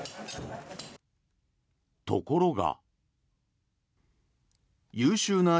ところが。